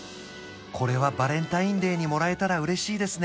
これはバレンタインデーにもらえたら嬉しいですね